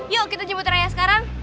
yuk kita jemput raya sekarang